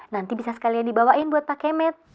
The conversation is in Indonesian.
nanti bisa sekalian dibawain buat pak kemet